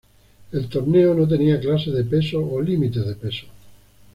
El torneo no tenía clases de peso o límites de peso.